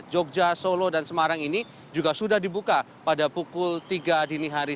jogja solo dan semarang ini juga sudah dibuka pada pukul tiga dini hari